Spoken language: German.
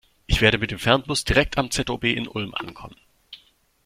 Ich werde mit dem Fernbus direkt am ZOB in Ulm ankommen.